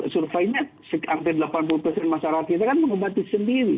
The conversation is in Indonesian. surveinya hampir delapan puluh persen masyarakat kita kan mengobati sendiri